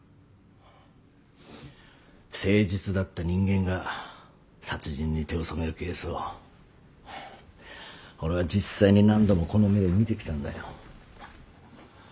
誠実だった人間が殺人に手を染めるケースを俺は実際に何度もこの目で見てきたんだよ。